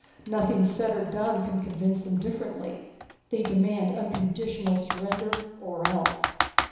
Nothing said or done can convince them differently. They demand unconditional surrender, or else.